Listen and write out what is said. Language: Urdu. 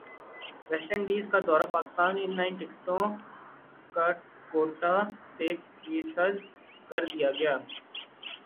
ویسٹ انڈیز کا دورہ پاکستان ان لائن ٹکٹوں کاکوٹہ سے فیصد کردیاگیا